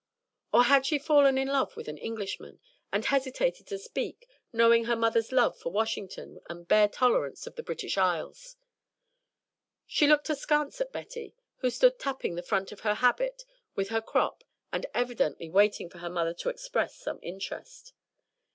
Or had she fallen in love with an Englishman, and hesitated to speak, knowing her mother's love for Washington and bare tolerance of the British Isles? She looked askance at Betty, who stood tapping the front of her habit with her crop and evidently waiting for her mother to express some interest. Mrs.